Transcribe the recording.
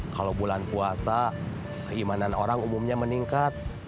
kalau bulan puasa keimanan orang umumnya meningkat